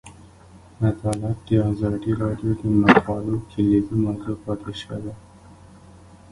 عدالت د ازادي راډیو د مقالو کلیدي موضوع پاتې شوی.